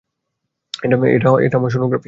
এটা আমার সোনোগ্রাফি।